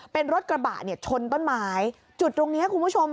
เป็นรถกระบะเนี่ยชนต้นไม้จุดตรงเนี้ยคุณผู้ชม